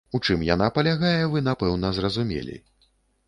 У чым яна палягае, вы, напэўна, зразумелі.